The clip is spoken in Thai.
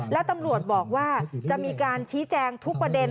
และตำรวจบอกว่าจะมีการชี้แจงทุกประเด็น